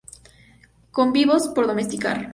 Con "¡Vivos... por domesticar!